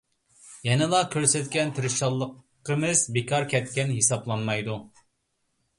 يەنىلا كۆرسەتكەن تىرىشچانلىقىمىز بىكار كەتكەن ھېسابلانمايدۇ.